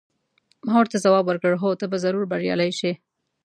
ما ورته ځواب ورکړ: هو، ته به ضرور بریالۍ شې.